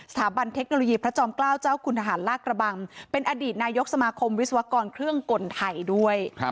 บันเทคโนโลยีพระจอมเกล้าเจ้าคุณทหารลากระบังเป็นอดีตนายกสมาคมวิศวกรเครื่องกลไทยด้วย